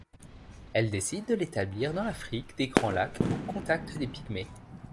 Elle décide de l'établir dans l'Afrique des grands lacs au contact des pygmées.